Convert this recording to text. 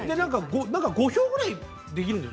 ５票ぐらいできるんです。